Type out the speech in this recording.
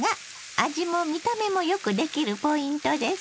味も見た目もよくできるポイントです。